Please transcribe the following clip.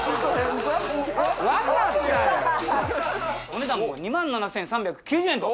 お値段も２万７，３９０円と。